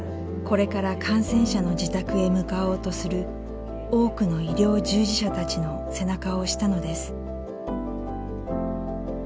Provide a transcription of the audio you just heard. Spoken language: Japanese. これから感染者の自宅へ向かおうとする多くの医療従事者たちの背中を押したのです。